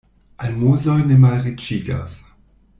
Almozoj ne malriĉigas.